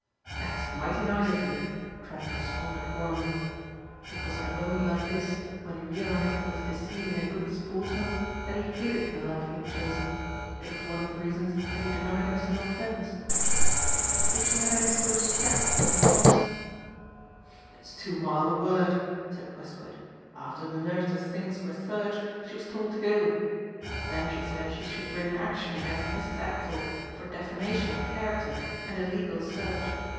"That's mighty nice of you," Trent responded warmly. It was at a moment like this when he realized he was deceiving a good sportsman that he hated the life he had chosen. It was one of the reasons that he denied himself friends. "Did she have any sort of scrap with Miss Thompson?" "It's too mild a word," said Westward. "After the nurse's things were searched she was told to go. Then she said she should bring an action against Mrs. Apthorpe for defamation of character and illegal search.